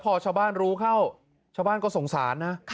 พอชาวบ้านรู้เข้าชาวบ้านก็สงสารนะ